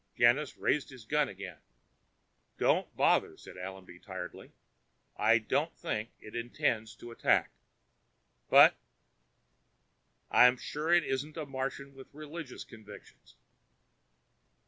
Janus raised his gun again. "Don't bother," said Allenby tiredly. "I don't think it intends to attack." "But " "I'm sure it isn't a Martian with religious convictions."